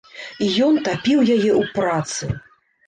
І ён тапіў яе ў працы.